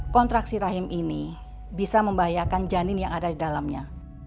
kontraksi rahim ini bisa membahayakan janin yang ada di dalamnya